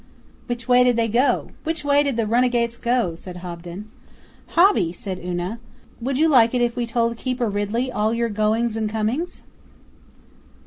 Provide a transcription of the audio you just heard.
'Which way did they go? Which way did the runagates go?' said Hobden. 'Hobby!' said Una. 'Would you like it if we told Keeper Ridley all your goings and comings?